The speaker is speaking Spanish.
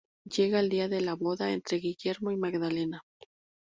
Llega el día de la boda entre Guillermo y Magdalena.